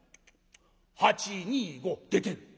「８２５出てる。